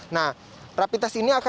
nah rapi tes ini akan dilakukan